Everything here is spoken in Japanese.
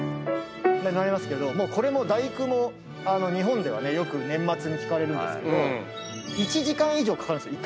これも『第９』も日本ではよく年末に聞かれるんですが１時間以上かかるんですよ